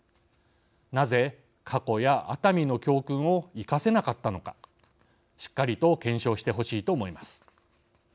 なぜ、過去や熱海の教訓を生かせなかったのかしっかりと検証してほしいと思います。